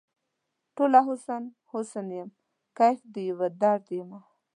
ټوله حسن ، حسن یم کیف د یوه درد یمه